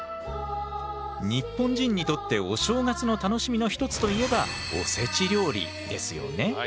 日本人にとってお正月の楽しみの一つといえばおせち料理ですよね。